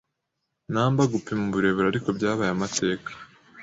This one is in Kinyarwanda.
numberGupima uburebure ariko byabaye amateka